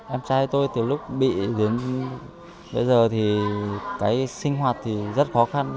em trai tôi từ lúc bị bây giờ thì cái sinh hoạt thì rất khó khăn